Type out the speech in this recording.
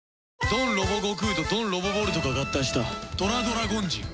ドンロボゴクウとドンロボボルトが合体したトラドラゴンジン